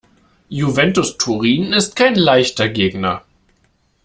Juventus Turin ist kein leichter Gegner.